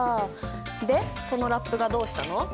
でそのラップがどうしたの？